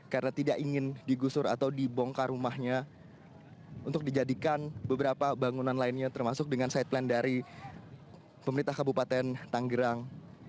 karena tidak ingin digusur atau dibongkar rumahnya untuk dijadikan beberapa bangunan lainnya termasuk dengan side plan dari pemerintah kabupaten tanggerang